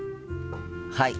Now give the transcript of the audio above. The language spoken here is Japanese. はい。